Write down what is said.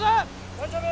・大丈夫！